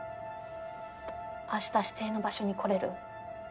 あした指定の場所に来れる？